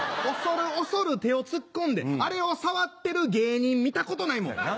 恐る恐る手を突っ込んであれを触ってる芸人見たことないもん。